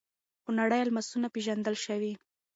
خونړي الماسونه پېژندل شوي.